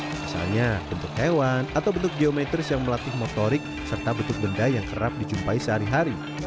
misalnya bentuk hewan atau bentuk geometris yang melatih motorik serta bentuk benda yang kerap dijumpai sehari hari